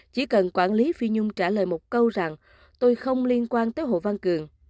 chỉ cần quản lý phi nhung trả lời một câu rằng tôi không liên quan tới hồ văn cường